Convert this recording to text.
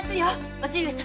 伯父上様。